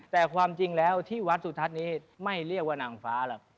แต่ความจริงแล้วที่วัดสุทัศน์นี้ไม่เรียกว่านางฟ้าหรอก